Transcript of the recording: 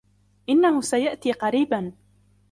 انه سيأتي قريبا.